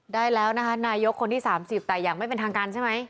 ได้แล้วนะคะนายกคนที่๓๐แต่อย่างไม่เป็นทางการใช่ไหม